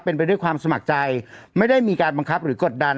เป็นไปด้วยความสมัครใจไม่ได้มีการบังคับหรือกดดัน